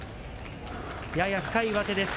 やや深い上手です。